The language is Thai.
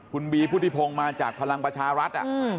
คุณบีพุทธิพงศ์มาจากพลังประชารัฐ